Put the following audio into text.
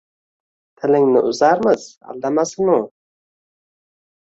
-Tilingni uzarmiz, aldamasin u!